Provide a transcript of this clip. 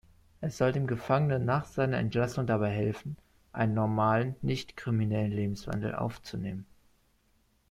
Es soll dem Gefangenen nach seiner Entlassung dabei helfen, einen normalen, nicht-kriminellen Lebenswandel aufzunehmen.